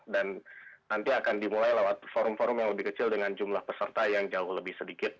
dan nanti akan dimulai lewat forum forum yang lebih kecil dengan jumlah peserta yang jauh lebih sedikit